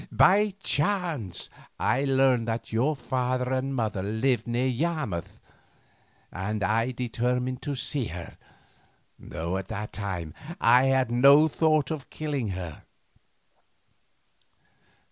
By chance I learned that your father and mother lived near Yarmouth, and I determined to see her, though at that time I had no thought of killing her.